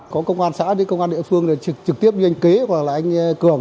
có công an xã đến công an địa phương là trực trực tiếp như anh kế hoặc là anh cường